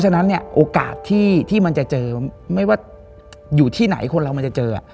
ฉะนั้นเนี่ยโอกาสที่มันจะเจอไม่ว่าอยู่ที่ไหนคนเรามันจะเจอ